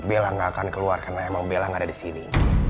bella gak akan keluar karena emang bela gak ada di sini